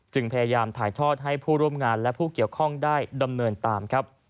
พยายามถ่ายทอดให้ผู้ร่วมงานและผู้เกี่ยวข้องได้ดำเนินตามครับ